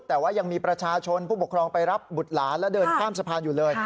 แต่ว่ายังมีประชาชนผู้ปกครองไปรับบุตรหลานและเดินข้ามสะพานอยู่เลย